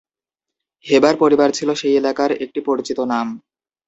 Haber পরিবার ছিল সেই এলাকার একটি পরিচিত নাম।